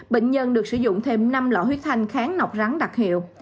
bệnh nhân được sử dụng thêm năm lọ huyết thanh kháng nọc rắn đặc hiệu